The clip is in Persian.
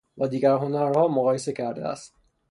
با دیگر هنرها مقایسه کرده است